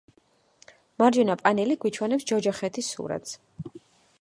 მარჯვენა პანელი გვიჩვენებს ჯოჯოხეთის სურათს.